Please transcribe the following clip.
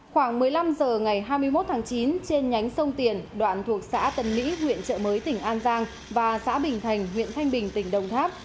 khoảng một mươi năm h ngày hai mươi một tháng chín trên nhánh sông tiền đoạn thuộc xã tân mỹ huyện trợ mới tỉnh an giang và xã bình thành huyện thanh bình tỉnh đồng tháp